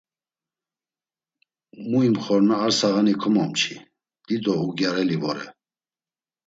Mu imxorna ar sağani komomçi, dido ugyareli vore.